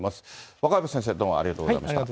若林先生、どうもありがとうございました。